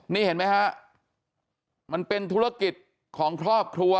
นี่เห็นไหมฮะมันเป็นธุรกิจของครอบครัว